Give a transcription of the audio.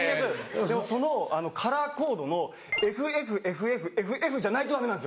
でもそのカラーコードの＃ｆｆｆｆｆｆじゃないとダメなんです。